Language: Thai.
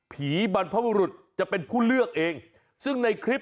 ผีบรรพวรุษจะเป็นผู้เลือกเอง